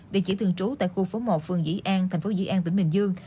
địa chỉ thường trú tại khu phố một phường dĩ an thành phố dĩ an tỉnh bình dương